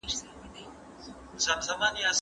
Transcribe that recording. حیات الله ته مېرمنې ویلي و چې چکر ته لاړ شي.